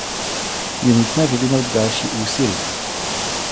Je nutné vyvinout další úsilí.